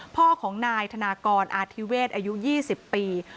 พ่อของนายธนากรอธิเวศอายุ๒๐ปี